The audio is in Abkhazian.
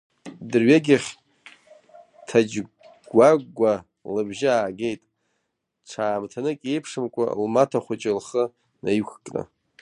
Дырҩегьых Ҭаџьгәагәа лыбжьы аагеит, ҽаамҭанык еиԥшымкәа, лмаҭа хәыҷы лхы наиқәкны.